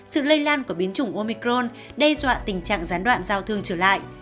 sự lây lan của biến chủng omicron đe dọa tình trạng gián đoạn giao thương trở lại